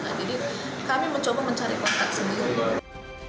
jadi kami mencoba mencari kontak sendiri